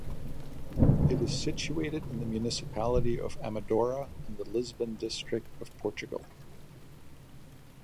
It is situated in the municipality of Amadora in the Lisbon District of Portugal.